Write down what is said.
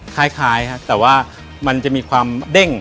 คล้ายครับแต่ว่ามันจะมีความเด้ง